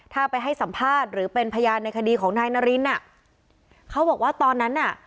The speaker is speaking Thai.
ถ้าไปให้สัมภาษณ์หรือเป็นพยานในคดีของนายนารินอ่ะเขาบอกว่าตอนนั้นน่ะ